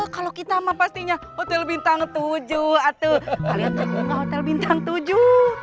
kalau kita mah pastinya hotel bintang tujuh tuh kalian tuh gak hotel bintang tujuh